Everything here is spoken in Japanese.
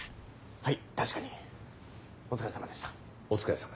はい。